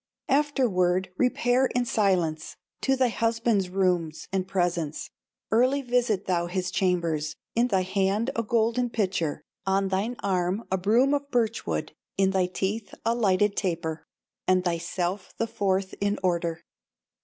Afterward repair in silence To thy husband's rooms and presence, Early visit thou his chambers, In thy hand a golden pitcher, On thine arm a broom of birch wood, In thy teeth a lighted taper, And thyself the fourth in order.